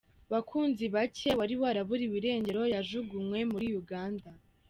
Bakunzibake wari waraburiwe irengero yajugunywe muri Uganda